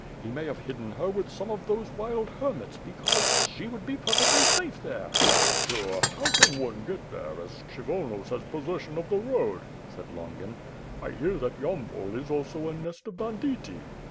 He may have hidden her with some of those wild hermits because, she would be perfectly safe there." "Pshaw, but how can one get there, as Kshyvonos has pos session of the road,'* said Longin. "I hear that Yampol is also a nest of banditti.